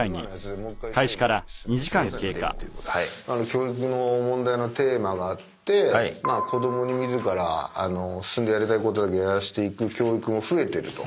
教育の問題のテーマがあって子供に自ら進んでやりたいことだけやらせていく教育も増えてると。